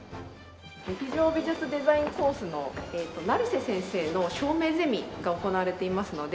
劇場美術デザインコースの成瀬先生の照明ゼミが行われていますので。